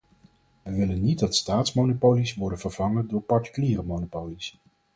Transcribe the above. We willen niet dat staatsmonopolies worden vervangen door particuliere monopolies.